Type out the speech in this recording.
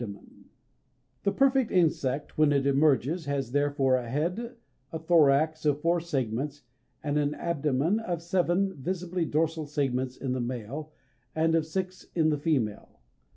The perfect insect when it emerges has therefore a head, a thorax of four segments, and an abdomen of seven visible dorsal segments in the male, and of six in the female.